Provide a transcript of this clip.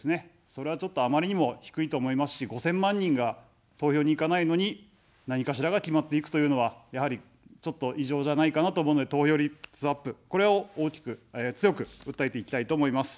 それは、ちょっとあまりにも低いと思いますし、５０００万人が投票に行かないのに何かしらが決まっていくというのは、やはり、ちょっと異常じゃないかなと思うので、投票率アップ、これを大きく、強く訴えていきたいと思います。